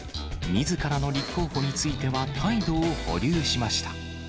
みずからの立候補については態度を保留しました。